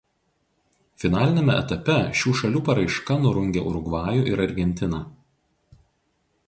Finaliniame etape šių šalių paraiška nurungė Urugvajų ir Argentiną.